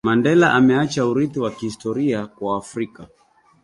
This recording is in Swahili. Mandela ameacha urithi wa kihistori kwa waafrika